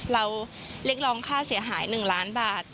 เราเรียกรองค่าเสียหาย๑ล้านบาท